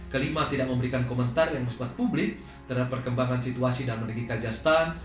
kelima tidak memberikan komentar yang membuat publik terhadap perkembangan situasi dalam negeri kajastan